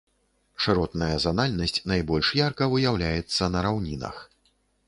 Шыротная занальнасць найбольш ярка выяўляецца на раўнінах.